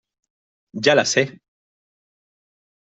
ya la sé.